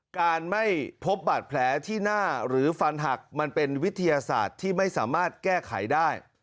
การไม่พบบาดแผลที่หน้าหรือฟันหักมันเป็นวิทยาศาสตร์ที่ไม่สามารถแก้ไขได้